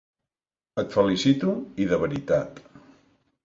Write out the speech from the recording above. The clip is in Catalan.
Et felicito, i de veritat.